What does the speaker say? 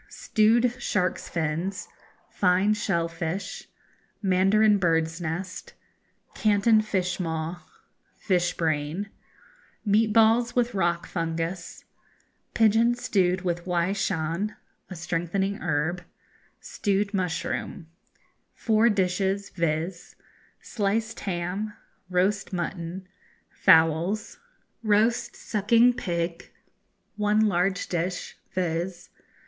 Stewed Shark's Fins Fine Shell Fish Mandarin Bird's Nest Canton Fish Maw Fish Brain Meat Balls with Rock Fungus Pigeons stewed with Wai Shan (a strengthening herb) Stewed Mushroom 4 dishes, viz. Sliced Ham Roast Mutton Fowls Roast Sucking Pig 1 large dish, viz.